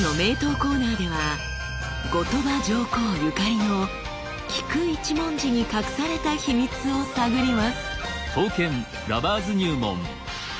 コーナーでは後鳥羽上皇ゆかりの菊一文字に隠された秘密を探ります。